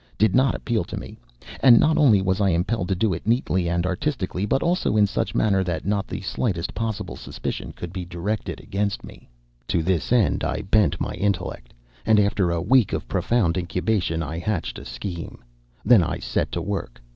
did not appeal to me. And not only was I impelled to do it neatly and artistically, but also in such manner that not the slightest possible suspicion could be directed against me. To this end I bent my intellect, and, after a week of profound incubation, I hatched the scheme. Then I set to work.